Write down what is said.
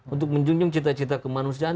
untuk menjunjung cita cita kemanusiaan